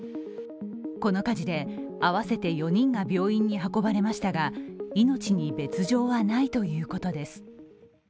この火事で合わせて４人が病院に運ばれましたが命に別状はないということです。